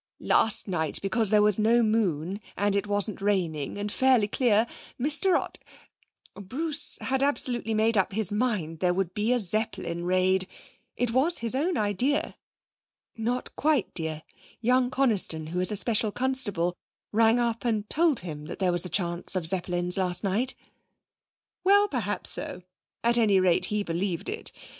Last night, because there was no moon, and it wasn't raining, and fairly clear, Mr Ott Bruce had absolutely made up his mind there would be a Zeppelin raid. It was his own idea.' 'Not quite, dear. Young Coniston, who is a special constable, rang up and told him that there was a chance of the Zeppelins last night.' 'Well, perhaps so. At any rate he believed it.